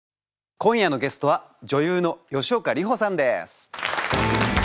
今夜のゲストは女優の吉岡里帆さんです。